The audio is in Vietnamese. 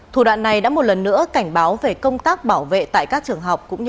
thủ đoạn này đã một lần nữa cảnh báo về công tác bảo vệ tại các trường học